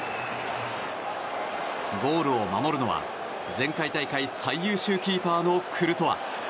ゴールを守るのは、前回大会最優秀キーパーのクルトワ。